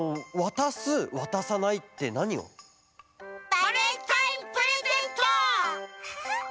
バレンタインプレゼント！